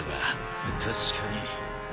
確かに。